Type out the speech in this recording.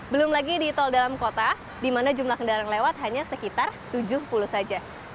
belum lagi di tol dalam kota di mana jumlah kendaraan lewat hanya sekitar tujuh puluh saja